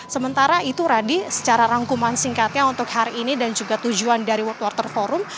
sementara itu radi secara rangkuman singkatnya untuk hari ini dan juga tujuan dari world water forum